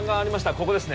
ここですね